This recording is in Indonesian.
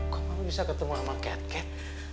kok mau bisa ketemu sama ket ket